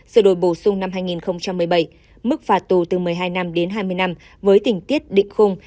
sự đổi bổ sung năm hai nghìn một mươi bảy mức phạt tù từ một mươi hai năm đến hai mươi năm với tình tiết định khung